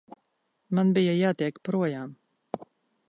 Man bija jātiek projām.